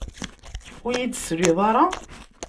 Ur yi-d-tesliḍ ara?